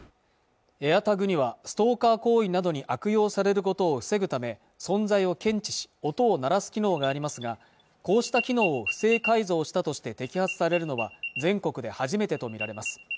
ＡｉｒＴａｇにはストーカー行為などに悪用されることを防ぐため存在を検知し音を鳴らす機能がありますがこうした機能を不正改造したとして摘発されるのは全国で初めてと見られます